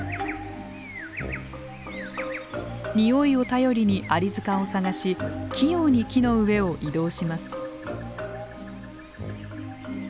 においを頼りにアリ塚を探し器用に木の上を移動します。